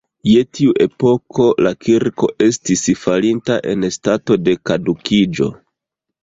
Je tiu epoko, la kirko estis falinta en stato de kadukiĝo.